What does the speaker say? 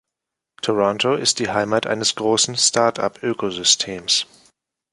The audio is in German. Toronto ist die Heimat eines großen Startup-Ökosystems.